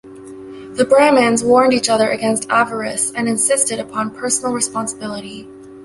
The Brahmins warned each other against avarice and insisted upon personal responsibility.